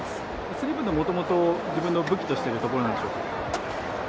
スリーポイントは元々自分の武器としているところなんでしょうか？